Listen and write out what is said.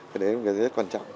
thì đấy là một cái rất quan trọng